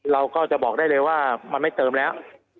เราก็จะบอกได้เลยว่ามันไม่เติมแล้ว